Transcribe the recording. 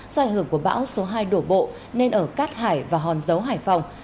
do ảnh hưởng của bão số hai đổ bộ nên ở cát hải và hòn dấu hải phòng